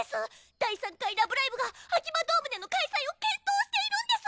第３回ラブライブがアキバドームでの開催を検討しているんです！